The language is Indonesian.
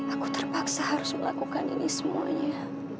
aku terpaksa harus melakukan ini semuanya